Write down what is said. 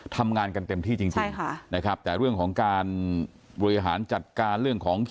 ทำงานกันเต็มที่จริงแต่เรื่องของการบริหารจัดการ